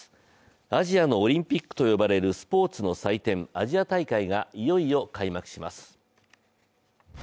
アジアのオリンピックと呼ばれるスポーツの祭典、アジア大会がいよいよ、開幕します